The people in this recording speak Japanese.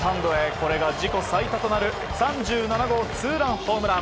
これが自己最多となる３７号ツーランホームラン。